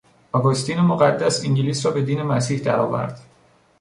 اگستین مقدس انگلیس را به دین مسیح درآورد.